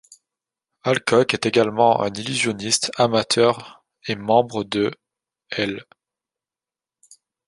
Alcock est également un illusionniste amateur et membre de l'.